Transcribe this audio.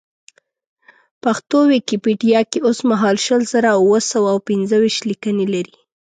پښتو ویکیپېډیا کې اوسمهال شل زره اوه سوه او پېنځه ویشت لیکنې لري.